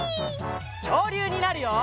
きょうりゅうになるよ！